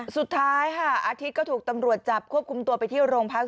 สุดท้ายค่ะอาทิตย์ก็ถูกตำรวจจับควบคุมตัวไปที่โรงพัก